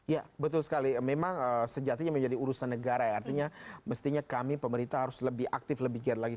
ya betul sekali memang sejatinya menjadi urusan negara ya artinya mestinya kami pemerintah harus lebih aktif lebih giat lagi